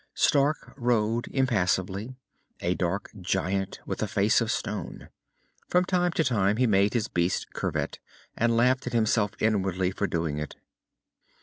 Stark rode impassively, a dark giant with a face of stone. From time to time he made his beast curvet, and laughed at himself inwardly for doing it.